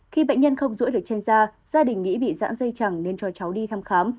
khi bệnh nhân không rũi được trên da gia đình nghĩ bị giãn dây chẳng nên cho cháu đi thăm khám